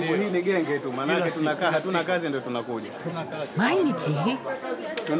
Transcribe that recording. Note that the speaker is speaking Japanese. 毎日？